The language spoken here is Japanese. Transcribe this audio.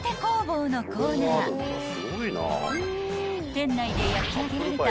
［店内で焼き上げられた